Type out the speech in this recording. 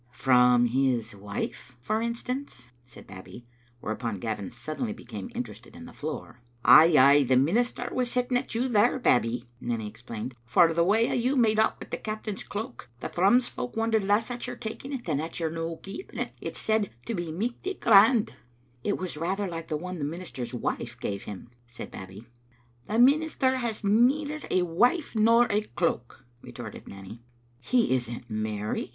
"From his wife, for instance," said Babbie, where upon Gavin suddenly became interested in the floor. " Ay, ay, the minister was hitting at you there. Bab bie," Nanny explained, "for the way you made off wi' the captain's cloak. The Thrums folk wondered less at your taking it than at your no keeping it. It's said to be michty grand." " It was rather like the one the minister's wife gave him," said Babbie. "The minister has neither a wife nor a cloak," re torted Nanny. " He isn't married?"